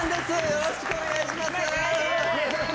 よろしくお願いします